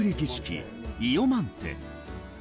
儀式イヨマンテ。